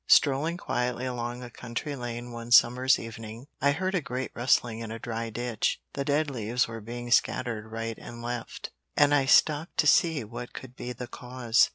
Strolling quietly along a country lane one summer's evening, I heard a great rustling in a dry ditch, the dead leaves were being scattered right and left, and I stopped to see what could be the cause.